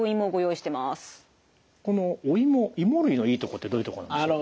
このおいもいも類のいいとこってどういうとこなんでしょう？